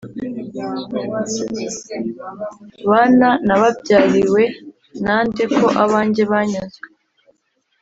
bana nababyariwe na nde ko abanjye banyazwe